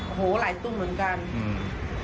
โอ้โหหลายตุ้นเหมือนกันอืม